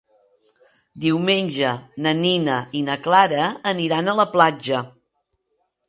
Diumenge na Nina i na Clara aniran a la platja.